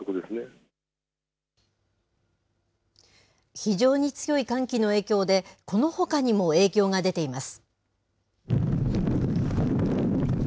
非常に強い寒気の影響で、このほかにも影響が出ています。